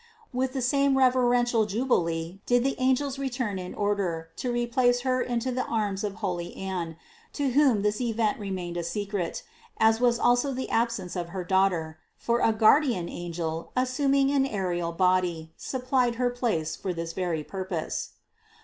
With the same reverential jubilee did the angels return in order to replace Her into the arms of holy Anne, to whom this event remained a secret, as was also the absence of her Daughter; for a guardian angel, assuming an aerial body, supplied her place for this very purpose.